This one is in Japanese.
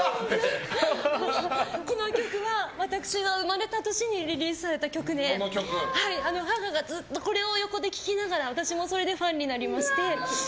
この曲は私が生まれた年にリリースされた曲で母がずっとこれを横で聴きながら私もそれでファンになりまして。